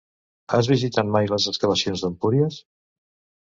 Has visitat mai les excavacions d'Empúries?